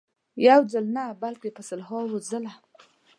یو ځل نه بلکې په سلهاوو ځله.